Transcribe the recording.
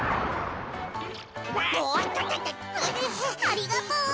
ありがとう。